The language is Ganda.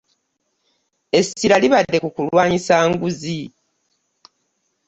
Essira libadde ku kulwanyisa nguzi.